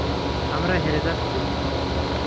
আমরা হেরে যাচ্ছি।